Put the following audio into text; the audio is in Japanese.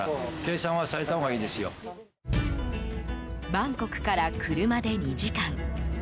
バンコクから車で２時間。